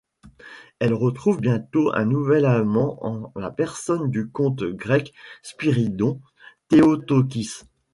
Elle retrouve bientôt un nouvel amant en la personne du comte grec Spyridon Théotokis.